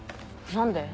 何で？